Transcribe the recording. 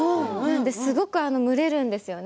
すごく蒸れるんですよね。